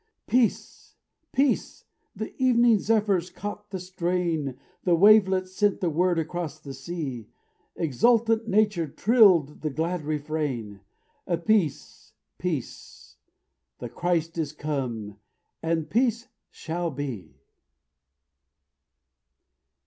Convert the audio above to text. "Peace! peace!" the evening zephyrs caught the strain, The wavelets sent the word across the sea; Exultant Nature trilled the glad refrain; "Peace! peace! The Christ is come, and peace shall be!"